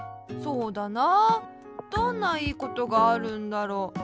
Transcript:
そうだなあどんないいことがあるんだろう？